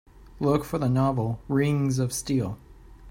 Look for the novel Rings of Steel